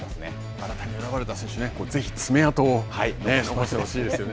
新たに選ばれた選手、ぜひ爪あとを残してほしいですよね。